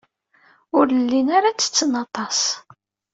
Ur llin ara ttetten aṭas.